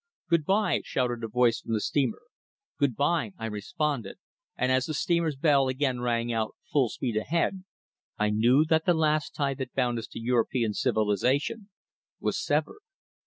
"Good bye," shouted a voice from the steamer. "Good bye," I responded, and as the steamer's bell again rang out, "full speed ahead," I knew that the last tie that bound us to European civilization was severed.